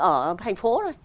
ở thành phố